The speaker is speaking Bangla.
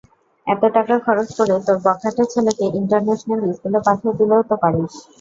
এত টাকা খরচ করে তোর বখাটে ছেলেকে ইন্টারন্যাশনাল স্কুলে পাঠিয়ে দিলেও তো পারিস।